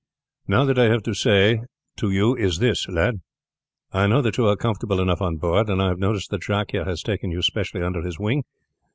"Now, what I have to say to you is this lad: I know that you are comfortable enough on board, and I have noticed that Jacques here has taken you specially under his wing.